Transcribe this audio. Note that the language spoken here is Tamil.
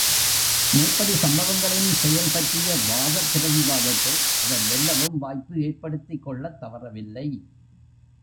மேற்படி சம்பவங்களின் செயல்பற்றிய வாதப் பிரதிவாதத்தில் அவர் வெல்லவும் வாய்ப்பு ஏற்படுத்திக்கொள்ளத் தவறவில்லை.